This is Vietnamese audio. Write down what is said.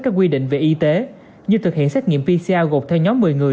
các quy định về y tế như thực hiện xét nghiệm pcr gộp theo nhóm một mươi người